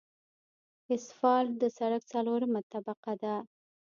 اسفالټ د سرک څلورمه طبقه ده